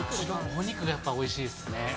お肉がやっぱり、おいしいっすね。